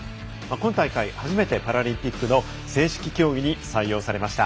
今大会、初めてパラリンピックの正式競技に採用されました。